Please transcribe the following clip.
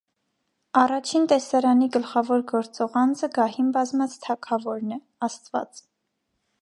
Առաջին տեսարանի գլխավոր գործող անձը գահին բազմած թագավորն է (աստված)։